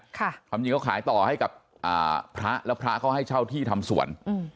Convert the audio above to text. ความจริงเขาขายต่อให้กับอ่าพระแล้วพระเขาให้เช่าที่ทำสวน